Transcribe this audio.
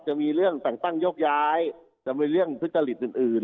จะมีเรื่องแต่งตั้งยกย้ายจะมีเรื่องพฤติฤทธิ์อื่นอื่น